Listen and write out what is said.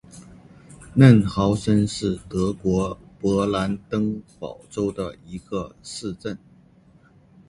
嫩豪森是德国勃兰登堡州的一个市镇。